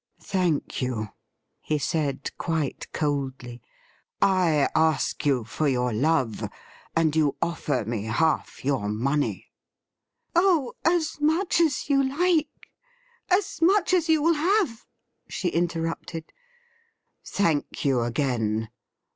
' Thank you,' he said quite coldly, ' I ask you for your love, and you ofiFer me half your money '' Oh, as much as you like — as much as you will have,' she interrupted. ' Thank you again.